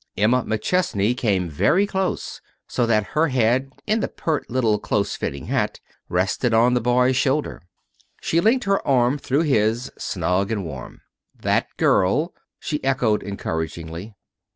Emma McChesney came very close, so that her head, in the pert little close fitting hat, rested on the boy's shoulder. She linked her arm through his, snug and warm. "That girl " she echoed encouragingly.